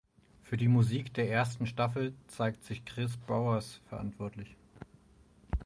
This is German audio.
Für die Musik der ersten Staffel zeigte sich Kris Bowers verantwortlich.